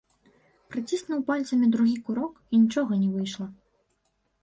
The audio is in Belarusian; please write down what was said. Прыціснуў пальцамі другі курок, і нічога не выйшла.